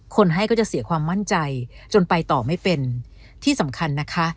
ให้ก็จะเสียความมั่นใจจนไปต่อไม่เป็นที่สำคัญนะคะ